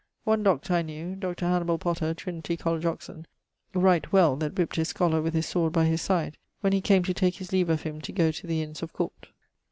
One Dr. I knew (Dr. Hannibal Potter, Trin. Coll. Oxon) right well that whipt his scholar with his sword by his side when he came to take his leave of him to goe to the Innes of Court.